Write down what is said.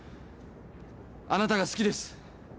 あなたが好きです。